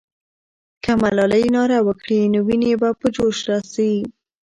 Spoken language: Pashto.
که ملالۍ ناره وکړي، نو ويني به په جوش راسي.